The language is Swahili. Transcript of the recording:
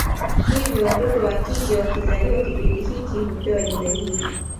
Hivyo watoto wakike wakizaliwa kipindi hicho hupewa jina hili